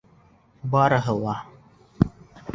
Барыһы ла.